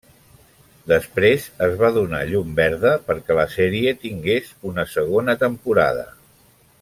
Després, es va donar llum verda perquè la sèrie tingués una segona temporada.